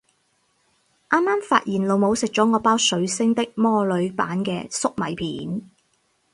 啱啱發現老母食咗我包水星的魔女版嘅粟米片